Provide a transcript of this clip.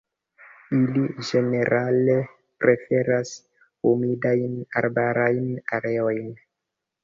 Ili ĝenerale preferas humidajn arbarajn areojn.